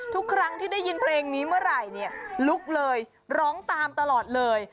ทุกครั้งที่ได้ยินเพลงนี้เมื่อไหร่เนี่ยลุกเลยร้องตามตลอดเลย